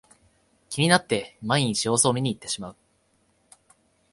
気になって毎日様子を見にいってしまう